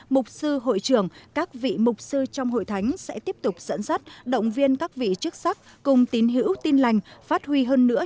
mục sư hội trưởng các vị mục sư trong hội thánh sẽ tiếp tục dẫn dắt động viên các vị chức sắc cùng tín hữu tin lành phát huy hơn nữa